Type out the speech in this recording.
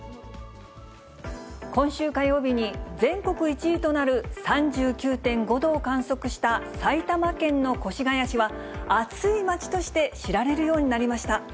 今週火曜日に全国１位となる、３９．５度を観測した、埼玉県の越谷市は、暑い街として知られるようになりました。